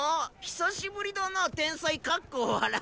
久しぶりだな天才くん。